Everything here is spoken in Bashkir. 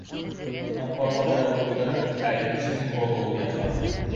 Арбаға берәү ултырып, ә икенсеһе һуҙылып ятҡан.